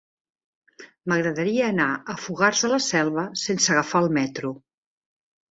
M'agradaria anar a Fogars de la Selva sense agafar el metro.